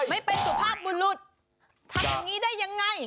ไม่เป็นสุภาพบุรุษทำอย่างนี้ได้ยังไง